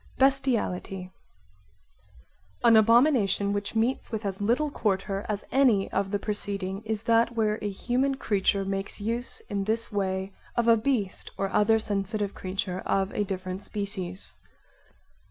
Bestiality An abomination which meets with as little quarter as any of the preceding is that where a human creature makes use in this way of a beast or other sensitive creature of a different species.